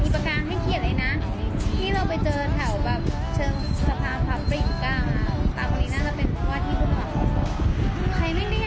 ป้ายหาเสียงแนวใหม่